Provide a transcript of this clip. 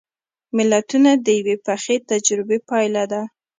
متلونه د یوې پخې تجربې پایله ده